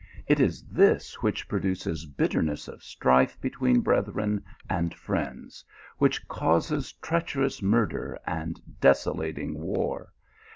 It is this which produces bit ternesb of strife between brethren and friends ; which causes treacherous murder and desolating war.